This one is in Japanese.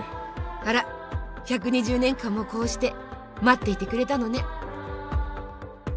あら１２０年間もこうして待っていてくれたのね。